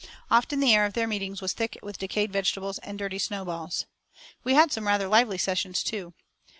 Often the air of their meetings was thick with decayed vegetables and dirty snowballs. We had some rather lively sessions, too.